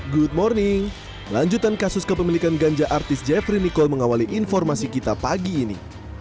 good morning lanjutan kasus kepemilikan ganja artis jeffrey nicole mengawali informasi kita pagi ini